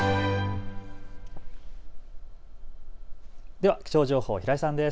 では気象情報、平井さんです。